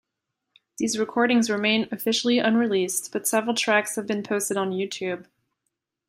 These recordings remain officially unreleased but several tracks have been posted on YouTube.